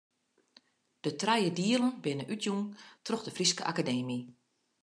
De trije dielen binne útjûn troch de Fryske Akademy.